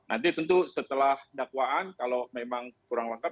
nanti tentu setelah dakwaan kalau memang kurang lengkap